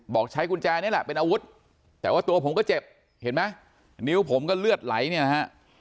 ใช้กุญแจนี่แหละเป็นอาวุธแต่ว่าตัวผมก็เจ็บเห็นไหมนิ้วผมก็เลือดไหลเนี่ยนะฮะ